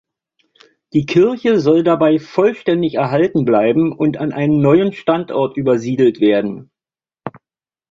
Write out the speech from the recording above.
Die Kirche soll dabei vollständig erhalten bleiben und an einen neuen Standort übersiedelt werden.